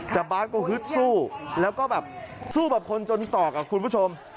แต่บาทก็ฮึดสู้แล้วก็แบบสู้แบบคนจนตอกอ่ะคุณผู้ชม